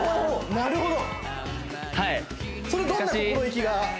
なるほど！